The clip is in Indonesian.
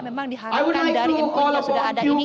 memang diharapkan dari impor yang sudah ada ini